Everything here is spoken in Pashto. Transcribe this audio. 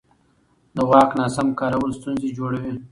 د واک ناسم کارول ستونزې جوړوي